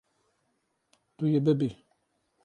Tu yê bibî.